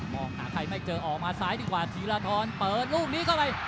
มองหากใครไม่เจอออกมาสายดีกว่าธรีรธรย์ละทิสผมเปิดรูปนี้เข้าไป